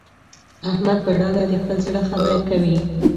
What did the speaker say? احمد په ډاګه د خپل زړه خبره کوي.